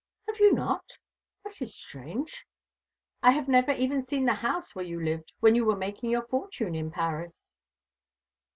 "Have you not? That is strange." "I have never even seen the house where you lived when you were making your fortune in Paris."